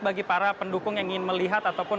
bagi para pendukung yang ingin melihat ataupun